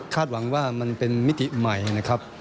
หวังว่ามันเป็นมิติใหม่นะครับ